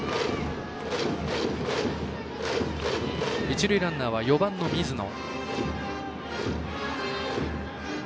一塁ランナーは４番の水野。